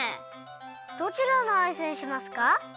どちらのアイスにしますか？